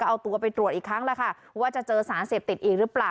เอาตัวไปตรวจอีกครั้งแล้วค่ะว่าจะเจอสารเสพติดอีกหรือเปล่า